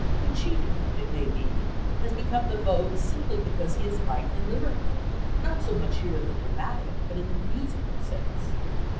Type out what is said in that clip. Puccini, it may be, has become the vogue simply because he is light and lyrical, not so much here in the dramatic, but in the musical sense.